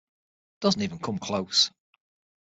Doesn't even come close...